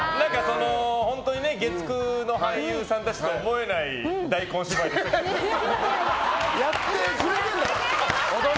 本当に月９の俳優さんたちとは思えないやってくれてるのよ！